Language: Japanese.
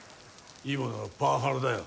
今ならパワハラだよ